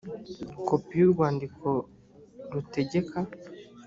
kopi y urwandiko rutegeka